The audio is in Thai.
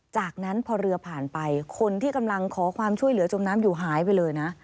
จากนั้นพอเรือผ่านไปคนที่กำลังขอความช่วยเหลือจมน้ำอยู่หายไปเลยนะ